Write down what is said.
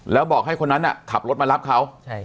แล้วบอกให้คนนั้นขับรถมารับเขา